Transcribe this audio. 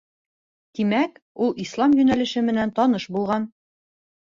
Тимәк, ул Ислам йүнәлеше менән таныш булған.